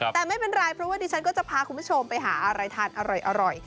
แต่ไม่เป็นไรเพราะว่าดิฉันก็จะพาคุณผู้ชมไปหาอะไรทานอร่อย